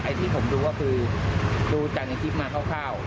ที่ผมดูก็คือดูจากในคลิปมาคร่าว